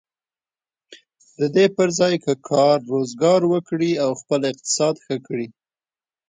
د دې پر ځای که کار و روزګار وکړي او خپل اقتصاد ښه کړي.